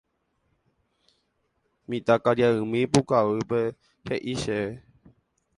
Mitãkaria'ymi pukavýpe he'i chéve.